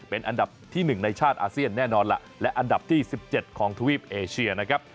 เป็นอันดับที่๑ในชาติอาเซียนแน่นอนล่ะและอันดับที่๑๗ของทวีปเอเชียนะครับ